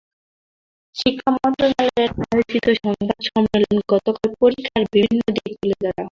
শিক্ষা মন্ত্রণালয়ে আয়োজিত সংবাদ সম্মেলনে গতকাল পরীক্ষার বিভিন্ন দিক তুলে ধরা হয়।